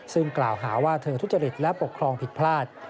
ซึ่งกล่าวหาว่าเธอทุจริตและปกครองผิดพลาด